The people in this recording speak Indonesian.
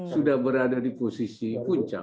sudah berada di posisi puncak